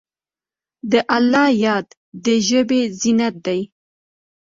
د الله یاد د ژبې زینت دی.